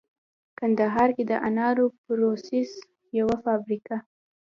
کندهار کې د انارو د پروسس یوه فابریکه